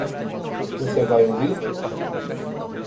Você vai ouvir?